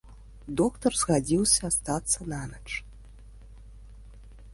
Доктар згадзіўся астацца нанач.